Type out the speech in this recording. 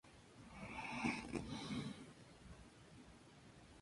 Cada padre mezcla sus ideas con las características propiedades de Madre.